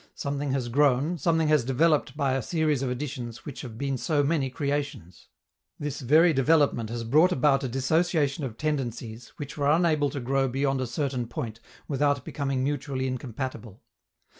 Something has grown, something has developed by a series of additions which have been so many creations. This very development has brought about a dissociation of tendencies which were unable to grow beyond a certain point without becoming mutually incompatible.